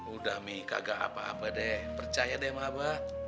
udah mei kagak apa apa deh percaya deh sama apa